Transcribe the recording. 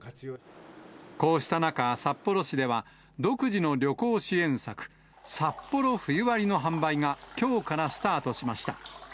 こうした中、札幌市では、独自の旅行支援策、サッポロ冬割の販売がきょうからスタートしました。